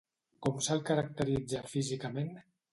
Com se'l caracteritza físicament?